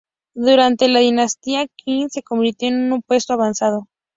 Durante la dinastía Qing se convirtió en un puesto avanzado.